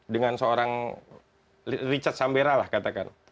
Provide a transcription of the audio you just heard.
dengan seorang richard sambera lah katakan